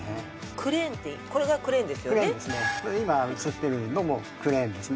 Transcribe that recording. クレーンってこれがクレーンですよね